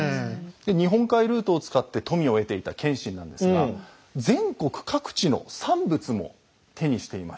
日本海ルートを使って富を得ていた謙信なんですが全国各地の産物も手にしていました。